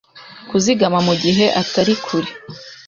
Kuzigama mugihe atari kure